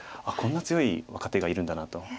「あっこんな強い若手がいるんだな」と。